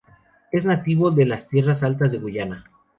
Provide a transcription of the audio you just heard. Es nativo de las tierras altas de Guyana.